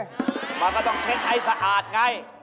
ตามมาก็ต้องเช็ดไอสะอาดง่าย